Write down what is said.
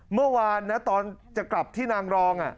เมื่อวานนะตอนจะกลับที่นางรอง